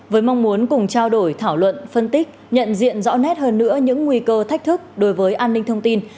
với mong muốn cùng trao đổi thảo luận phân tích nhận diện rõ nét hơn nữa những nguy cơ thách thức đối với an ninh thông tin